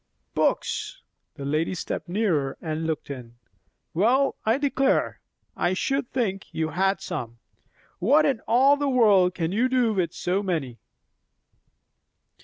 "Books!" The lady stepped nearer and looked in. "Well, I declare! I should think you had some. What in all the world can you do with so many?"